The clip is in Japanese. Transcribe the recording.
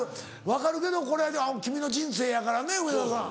分かるけどこれは君の人生やからね梅沢さん。